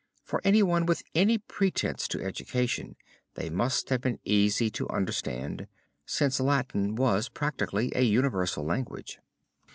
For anyone with any pretension to education they must have been easy to understand, since Latin was practically a universal language.